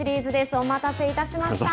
お待たせいたしました。